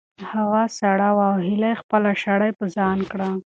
هوا سړه شوه او هیلې خپله شړۍ په ځان کړه.